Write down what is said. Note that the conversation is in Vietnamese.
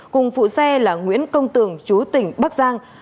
cùng phụ xe là nguyễn công tường chú tỉnh bắc giang